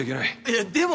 いやでも。